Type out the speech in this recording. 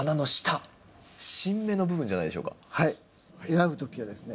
選ぶ時はですね